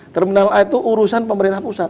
terminal a itu urusan pemerintah pusat